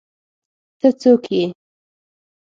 ته څوک ئې؟